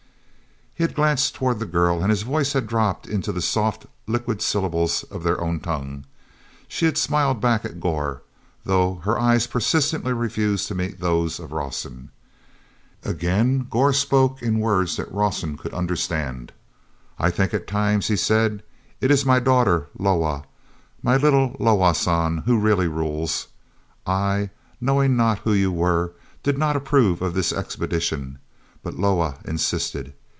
He had glanced toward the girl and his voice had dropped into the soft, liquid syllables of their own tongue. She had smiled back at Gor, though her eyes persistently refused to meet those of Rawson. Again Gor spoke in words that Rawson could understand. "I think at times," he said, "it is my daughter Loah, my little Loah San who really rules. I, knowing not who you were, did not approve of this expedition, but Loah insisted.